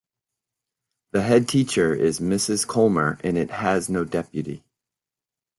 The head Teacher is Mrs Colmer and it has no deputy.